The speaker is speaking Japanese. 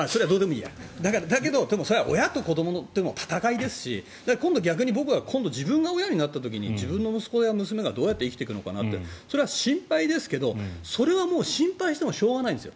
だけど、それは親と子どもの戦いですし、今度逆に僕は自分が親になった時に自分の息子や娘がどう生きていくのかなって心配ですけど、心配してもしょうがないんですよ。